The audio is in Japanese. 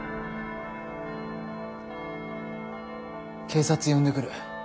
警察呼んでくる。